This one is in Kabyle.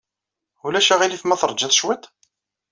Ulac aɣilif ma teṛjiḍ cwiṭ?